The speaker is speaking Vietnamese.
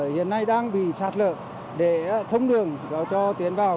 hiện nay đang bị sát lợi để thông đường cho tuyến vào